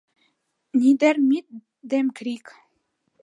— Нидер мит дем криг!